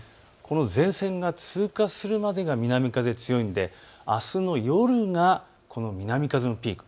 前線が通過するまでが南風強いのであすの夜が南風のピーク。